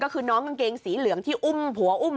ก็คือน้องกางเกงสีเหลืองที่อุ้มผัวอุ้ม